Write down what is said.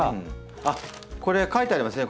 あっこれ書いてありますね